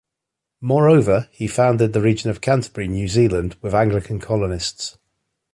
Moreover, he founded the region of Canterbury, New Zealand with Anglican colonists.